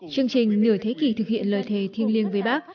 chương trình nửa thế kỷ thực hiện lời thề thiêng liêng với bác